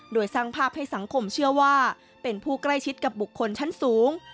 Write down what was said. โดยสร้างภาพให้สังคมเชื่อว่าเป็นผู้ใกล้ชิดกับบุคคลชั้นสูง